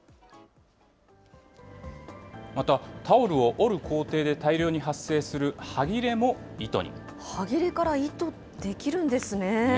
また、タオルを織る工程で大量に発生するはぎれも糸に。はぎれから糸、出来るんですね。